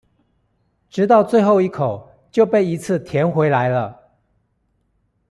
直到最後一口就被一次甜回來了